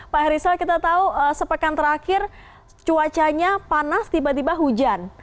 pak herizal kita tahu sepekan terakhir cuacanya panas tiba tiba hujan